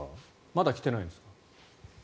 まだ来てないんですか？